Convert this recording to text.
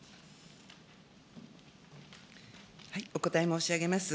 お答え申し上げます。